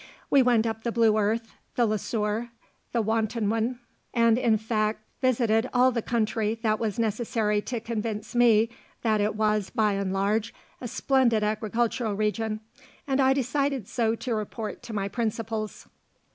We went up the Blue Earth, the Le Sueur, the Watonwan, and, in fact, visited all the country that was necessary to convince me that it was, by and large, a splendid agricultural region, and I decided so to report to my principals.